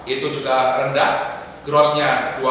itu juga rendah grossnya